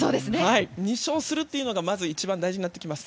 ２勝するというのがまず一番大事になってきます。